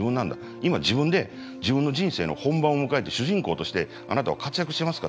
今自分で自分の人生の本番を迎えて主人公としてあなたは活躍してますか？